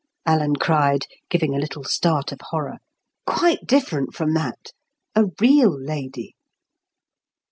Alan cried, giving a little start of horror. "Quite different from that. A real lady."